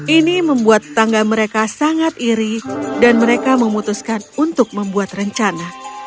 ini membuat tangga mereka sangat iri dan mereka memutuskan untuk membuat rencana